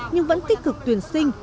nhưng vẫn kích cực tuyển sinh